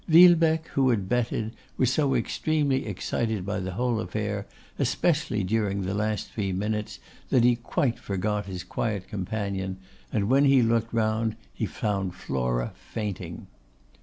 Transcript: Villebecque, who had betted, was so extremely excited by the whole affair, especially during the last three minutes, that he quite forgot his quiet companion, and when he looked round he found Flora fainting.